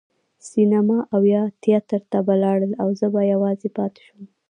سینما او یا تیاتر ته به لاړل او زه به یوازې پاتې شوم.